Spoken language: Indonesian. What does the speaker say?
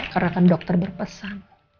karena kan dokter berpesan